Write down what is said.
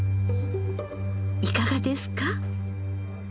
いかがですか？